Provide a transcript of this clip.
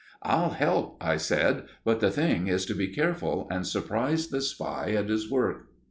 "I'll help," I said. "But the thing is to be careful, and surprise the spy at his work."